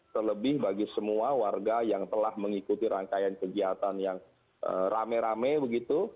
terlebih bagi semua warga yang telah mengikuti rangkaian kegiatan yang rame rame begitu